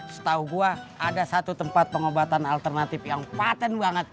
setahu gue ada satu tempat pengobatan alternatif yang patent banget